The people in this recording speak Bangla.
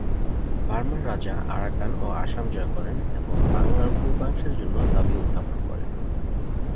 বার্মার রাজা আরাকান ও আসাম জয় করেন এবং বাংলার পূর্বাংশের জন্য দাবি উত্থাপন করেন।